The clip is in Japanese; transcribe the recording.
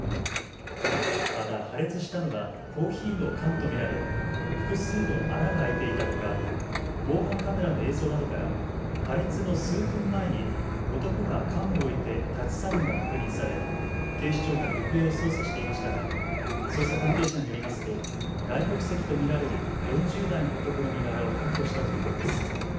また破裂したのはコーヒーの缶と見られ複数の穴が開いていたほか防犯カメラの映像などから破裂の数分前に男が缶を置いて立ち去るのが確認され警視庁が行方を捜査していましたが捜査関係者によりますと外国籍と見られる４０代の男の身柄を確保したということです。